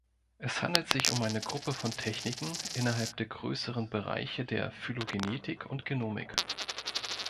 Es handelt sich um eine Gruppe von Techniken innerhalb der größeren Bereiche der Phylogenetik und Genomik.